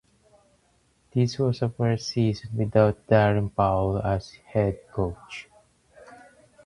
This was the first season without Darren Powell as head coach.